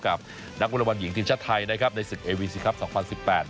กับนักวอลบอลหญิงทีมชาติไทยนะครับในศึกเอวีซีครับสองพันสิบแปด